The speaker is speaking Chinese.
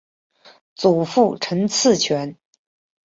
祖父陈赐全。